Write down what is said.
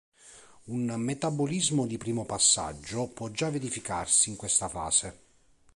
Un metabolismo di primo passaggio può già verificarsi in questa fase.